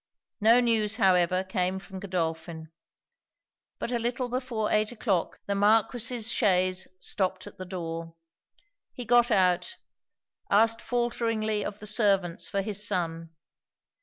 No news, however, came from Godolphin. But a little before eight o'clock, the Marquis's chaise stopped at the door. He got out; asked faulteringly of the servants for his son.